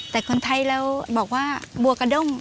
แต่คนไทยเราบอกว่าบัวกระด้ง